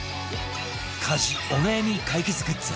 家事お悩み解決グッズ